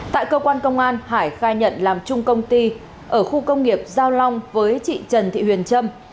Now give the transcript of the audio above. tại cơ quan công an hải khai nhận làm chung công ty ở khu công nghiệp giao long với chị trần thị huyền trâm